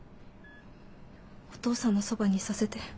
お父さんのそばにいさせて。